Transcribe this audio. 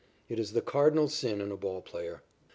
It is the cardinal sin in a ball player.